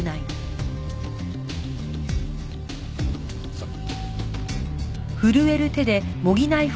さあ。